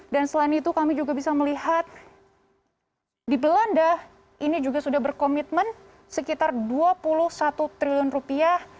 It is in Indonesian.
dan selain itu kami juga bisa melihat di belanda ini juga sudah berkomitmen sekitar dua puluh satu triliun rupiah